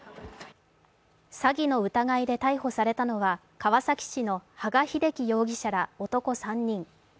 詐欺の疑いで逮捕されたのは川崎市の羽賀秀樹容疑者ら男３人。